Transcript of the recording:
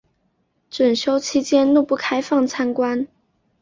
整修期间恕不开放参观